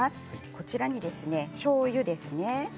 こちらに、おしょうゆですね